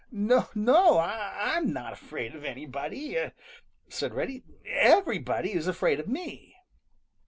"N no, I I'm not afraid of anybody," said Reddy. "Everybody is afraid of me."